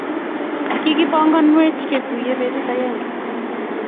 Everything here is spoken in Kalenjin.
Kigipanganwech ketuiye betut agenge